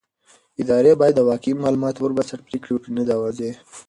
ادارې بايد د واقعي معلوماتو پر بنسټ پرېکړې وکړي نه د اوازې.